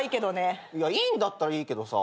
いいんだったらいいけどさ。